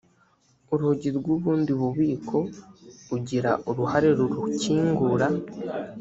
urugi rw’ubundi bubiko ugira uruhare rurukingura